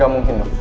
gak mungkin dok